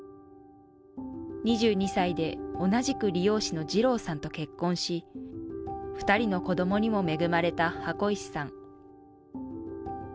２２歳で同じく理容師の二郎さんと結婚し、２人の子供にも恵まれた箱石さん。